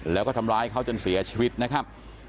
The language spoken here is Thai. แล้วก็ทำร้ายเขาจนเสียชีวิตนะครับ